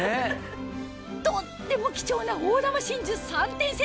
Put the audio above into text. とっても貴重な大珠真珠３点セット